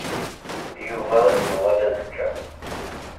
Yuba ad d-yuɣal azekka.